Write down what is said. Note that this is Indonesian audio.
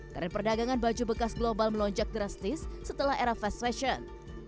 karena perdagangan baju bekas global melonjak drastis setelah era fast fashion